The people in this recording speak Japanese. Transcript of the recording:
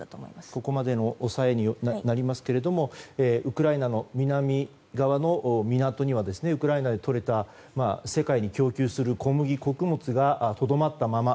ここまでの抑えになりますがウクライナの南側の港にはウクライナでとれた世界に供給する小麦など穀物がとどまったまま。